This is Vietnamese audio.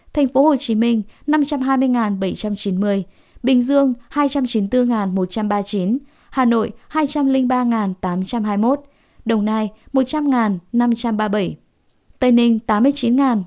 tp hcm năm trăm hai mươi bảy trăm chín mươi bình dương hai trăm chín mươi bốn một trăm ba mươi chín hà nội hai trăm linh ba tám trăm hai mươi một đồng nai một trăm linh năm trăm ba mươi bảy tây ninh tám mươi chín một trăm một mươi năm